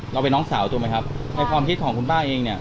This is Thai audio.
น้องเป็นน้องสาวถูกไหมครับในความคิดของคุณป้าเองเนี่ย